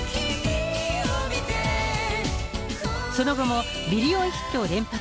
その後もミリオンヒットを連発。